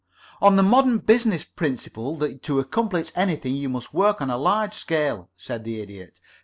"On the modern business principle that to accomplish anything you must work on a large scale," said the Idiot.